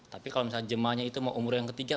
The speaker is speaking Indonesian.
tapi kalau misalnya jemaahnya itu mau umur yang ketiga